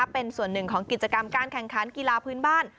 เป็นส่วนหนึ่งของกิจกรรมการแข่งขันกีฬาพื้นบ้าน